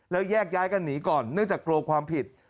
แล้วแยกย้ายกันหนีก่อนเนื่องจากกลัวความผิด